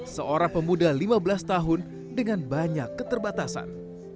seorang pemuda lima belas tahun dengan banyak keterbatasan